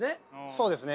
そうですね